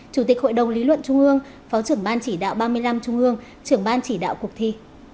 chủ tịch hội đồng lý luận trung ương phó trưởng ban chỉ đạo ba mươi năm trung ương trưởng ban chỉ đạo cuộc thi